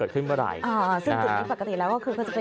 ซึ่งจุดที่ปกติแล้วก็คือ